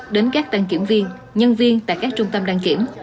đến các đăng kiểm viên nhân viên tại các trung tâm đăng kiểm